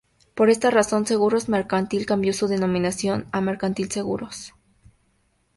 Por esta razón, Seguros Mercantil cambió su denominación a Mercantil Seguros.